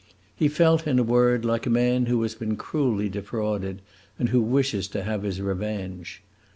He felt, in a word, like a man who has been cruelly defrauded and who wishes to have his revenge.